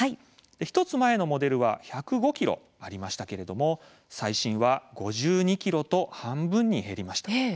１つ前のモデルは１０５ｋｇありましたけれども最新は５２ｋｇと半分に減りました。